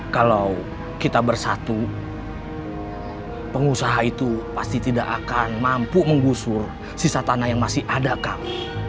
kalau kita berada di tempat yang lain